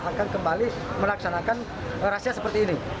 akan kembali melaksanakan rahasia seperti ini